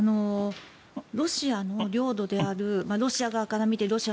ロシアの領土であるロシア側から見て。